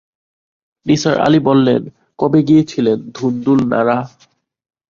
নিসার আলি বললেন, কবে গিয়েছিলেন ধুন্দুল নাড়া?